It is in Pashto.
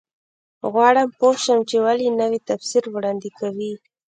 غواړم پوه شم چې ولې نوی تفسیر وړاندې کوي.